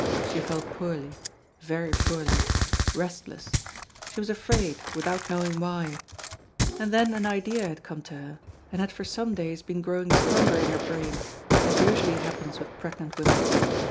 She felt poorly, very poorly, restless. She was afraid, without knowing why. And then an idea had come to her, and had for some days been growing stronger in her brain, as usually happens with pregnant women.